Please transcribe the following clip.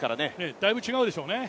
だいぶ違うでしょうね。